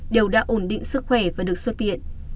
đều đã ổn định sức khỏe và được xuất viện